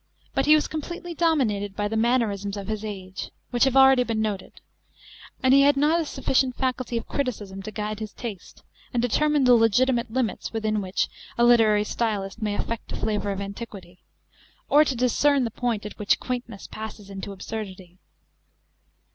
But he was completely dominated by the mannerisms of his age, which have been already noted ; and he had not a sufficient faculty of criticism to guide his taste, and determine the legitimate limits within which a literary stylist may affect a flavour ot antiquity, or to discern the point at which quaint ness passes into absurdity.